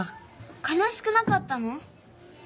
かなしくなかったの？